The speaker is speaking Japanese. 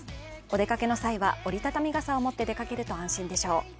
お出かけの際は折り畳み傘を持って出かけると安心でしょう。